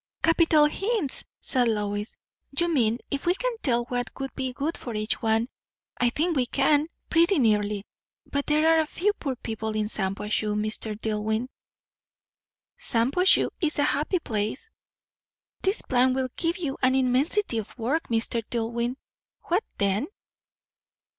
"Capital hints!" said Lois. "You mean, if we can tell what would be good for each one I think we can, pretty nearly. But there are few poor people in Shampuashuh, Mr. Dillwyn." "Shampuashuh is a happy place." "This plan will give you an immensity of work, Mr. Dillwyn." "What then?"